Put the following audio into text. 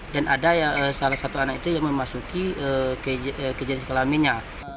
dan ada salah satu anak itu yang memasuki kejadian kelaminnya